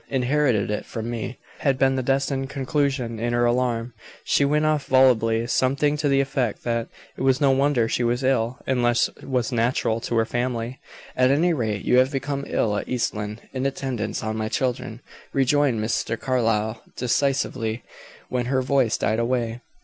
"Inherited it from me," had been the destined conclusion. In her alarm, she went off volubly, something to the effect that "it was no wonder she was ill: illness was natural to her family." "At any rate, you have become ill at East Lynne, in attendance on my children," rejoined Mr. Carlyle, decisively, when her voice died away.